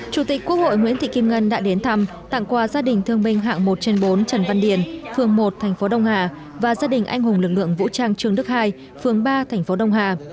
chủ tịch quốc hội nguyễn thị kim ngân đã đến thăm tặng quà gia đình thương binh hạng một trên bốn trần văn điền phường một thành phố đông hà và gia đình anh hùng lực lượng vũ trang trường đức ii phường ba thành phố đông hà